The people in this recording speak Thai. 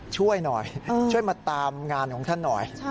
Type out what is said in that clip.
ช่วยหน่อยช่วยมาตามงานของท่านหน่อย